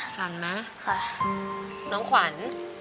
สันไหมค่ะน้องขวัญ